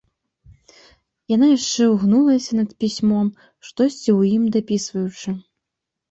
Яна яшчэ ўгнулася над пісьмом, штосьці ў ім дапісваючы.